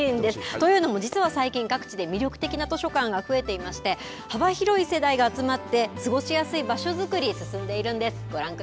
というのも実は最近、各地で魅力的な図書館が増えていまして幅広い世代が集まって過ごしやすい場所づくり進んでいるんです。